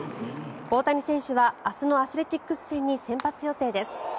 大谷は明日のアスレチックス戦に先発予定です。